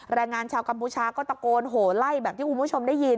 แรงงานชาวกัมพูชาก็ตะโกนโหไล่แบบที่คุณผู้ชมได้ยิน